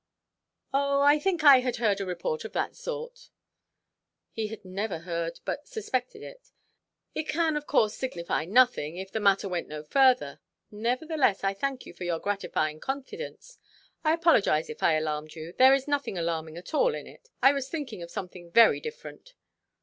"Oh, I think I had heard a report of that sort"—he had never heard, but suspected it—"it can, of course, signify nothing, if the matter went no further; nevertheless, I thank you for your gratifying confidence. I apologize if I alarmed you; there is nothing alarming at all in it. I was thinking of something very different."